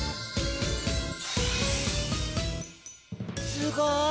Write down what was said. すごい！